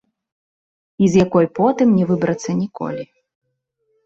І з якой потым не выбрацца ніколі.